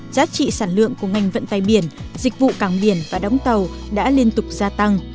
giá trị sản lượng của ngành vận tay biển dịch vụ cảng biển và đóng tàu đã liên tục gia tăng